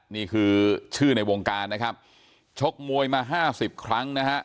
นี่คือชื่อในวงการนะครับชกมวยมาห้าสิบครั้งนะฮะ